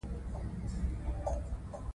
د ګور په څېر کلمه بله کومه ده؟